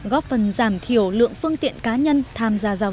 góp phần giảm thiểu lượng phương tiện cá nhân tham gia